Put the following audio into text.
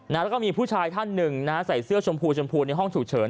แล้วก็มีผู้ชายท่านหนึ่งนะฮะใส่เสื้อชมพูชมพูในห้องฉุกเฉิน